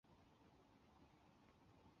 珊瑚藻在珊瑚礁的生态上有重要角色。